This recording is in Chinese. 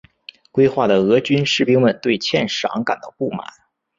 归化的俄军士兵们对欠饷感到不满。